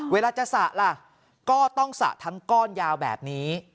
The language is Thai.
เวลาจะสระล่ะก็ต้องสระทั้งก้อนยาวแบบนี้